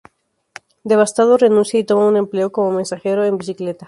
Devastado, renuncia y toma un empleo como mensajero en bicicleta.